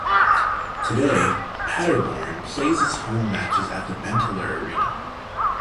Today "Paderborn" plays its home matches at the Benteler Arena.